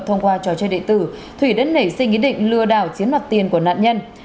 thông qua trò chơi đệ tử thủy đã nảy sinh ý định lừa đảo chiến mặt tiền của nạn nhân